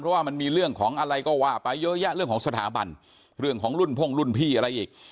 เพราะว่ามันมีเรื่องของอะไรก็ว่าไปเยอะแยะเรื่องของสถาบันเรื่องของรุ่นพ่งรุ่นพี่อะไรอีก